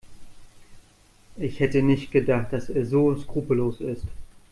Ich hätte nicht gedacht, dass er so skrupellos ist.